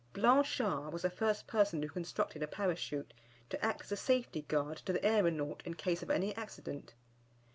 Blanchard was the first person who constructed a Parachute to act as a safety guard to the aeronaut in case of any accident.